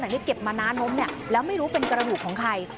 แต่ที่เก็บมาน้าล้มเนี่ยแล้วไม่รู้เป็นกระดูกของใคร